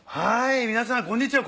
皆さんこんにちは。